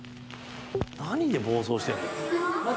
何で暴走してんの？